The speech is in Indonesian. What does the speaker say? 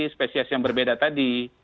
spesies yang berbeda tadi